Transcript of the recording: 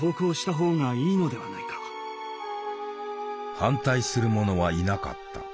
反対する者はいなかった。